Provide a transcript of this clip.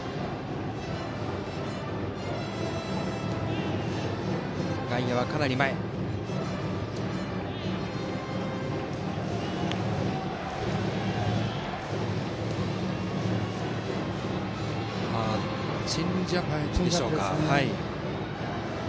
先程の球はチェンジアップでしょうか。